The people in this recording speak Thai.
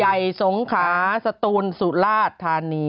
ใหญ่สงขาสตูนสุราชธานี